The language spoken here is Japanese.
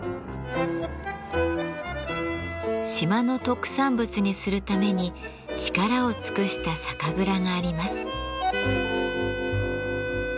島の特産物にするために力を尽くした酒蔵があります。